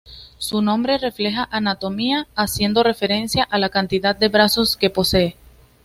Su nombre refleja su anatomía, haciendo referencia a la cantidad de brazos que posee.